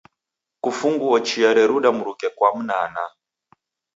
Kufunguo chia reruda mruke kwa mnaanaa.